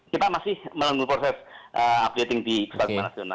kita masih melalui proses updating di sparta nasional